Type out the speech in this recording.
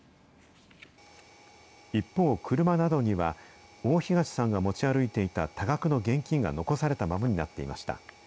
一方、車などには、大東さんが持ち歩いていた多額の現金が残されたままになっていました。